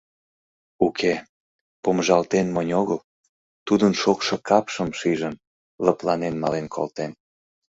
Уке, помыжалтен монь огыл, тудын шокшо капшым шижын, лыпланен мален колтен.